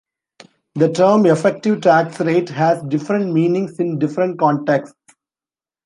The term effective tax rate has different meanings in different contexts.